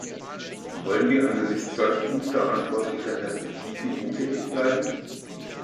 Wollen wir angesichts solch unverantwortlicher Perspektiven untätig bleiben?